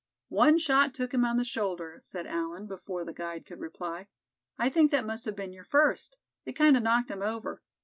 "One shot took him on the shoulder," said Allan, before the guide could reply. "I think that must have been your first. It kind of knocked him over.